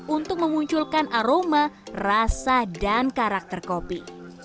untuk memunculkan aroma rasa dan karakter kopi